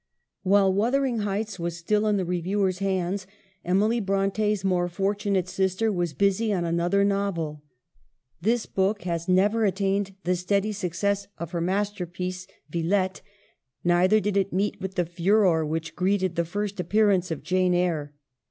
While ' Wuthering Heights ' was still in the re viewer's hands, Emily Bronte's more fortunate sister was busy on another novel. This book has never attained the steady success of her masterpiece, 'Villette,' neither did it meet with the furor which greeted the first appearance of 'Jane Eyre.'